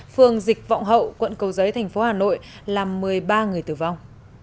phường dịch vọng hậu quận cầu giấy tp hà nội làm một mươi ba người tử vong